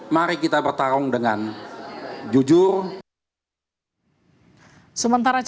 mari kita bertarung dengan jujur